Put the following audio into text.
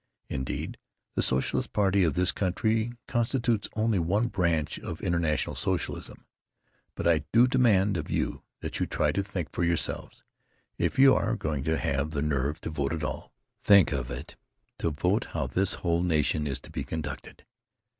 Indeed, the Socialist party of this country constitutes only one branch of international socialism. But I do demand of you that you try to think for yourselves, if you are going to have the nerve to vote at all—think of it—to vote how this whole nation is to be conducted!